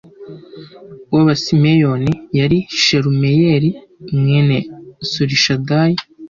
W abasimeyoni yari shelumiyeli mwene surishadayi